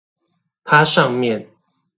它上面